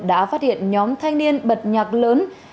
đã phát hiện nhóm thanh niên bật nhạc lớn